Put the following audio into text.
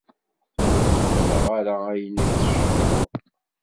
Ur qebbel ara ayen i d-tecreḍ.